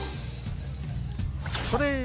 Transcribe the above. それ！